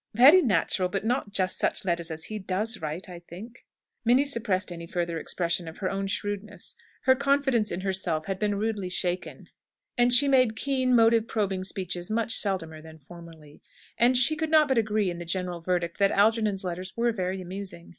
"Very natural; but not just such letters as he does write, I think." Minnie suppressed any further expression of her own shrewdness. Her confidence in herself had been rudely shaken; and she made keen, motive probing speeches much seldomer than formerly. And she could not but agree in the general verdict, that Algernon's letters were very amusing.